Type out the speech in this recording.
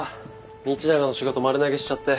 道永の仕事丸投げしちゃって。